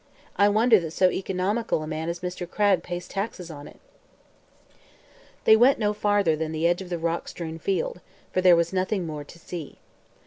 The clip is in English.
I wonder that so economical a man as Mr. Cragg pays taxes on it." They went no farther than the edge of the rock strewn field, for there was nothing more to see.